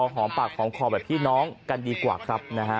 หอมปากหอมคอแบบพี่น้องกันดีกว่าครับนะฮะ